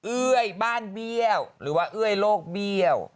เอ้ยบ้านเบี้ยวหรือว่าเอ้ยโลกเบี้ยว